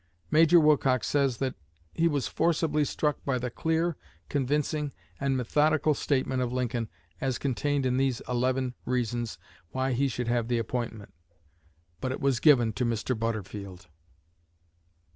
Major Wilcox says that he was forcibly struck by the clear, convincing, and methodical statement of Lincoln as contained in these eleven reasons why he should have the appointment. But it was given to Mr. Butterfield.